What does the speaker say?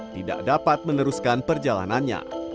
tidak dapat meneruskan perjalanannya